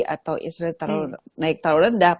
atau insulin naik terlalu rendah